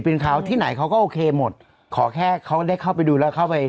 เป็นเขาที่ไหนเขาก็โอเคหมดขอแค่เขาได้เข้าไปดูแล้วเข้าไป